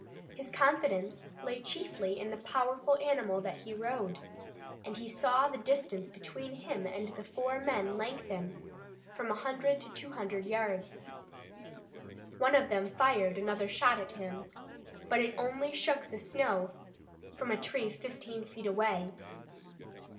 His confidence lay chiefly in the powerful animal that he rode, and he saw the distance between him and the four men lengthen from a hundred to two hundred yards. One of them fired another shot at him, but it only shook the snow from a tree fifteen feet away.